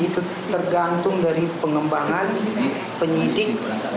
itu tergantung dari pengembangan penyidik